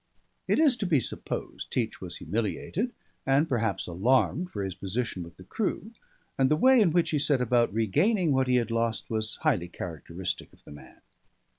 It is to be supposed Teach was humiliated, and perhaps alarmed for his position with the crew; and the way in which he set about regaining what he had lost was highly characteristic of the man.